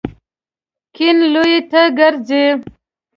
کیڼ لوري ته ګرځئ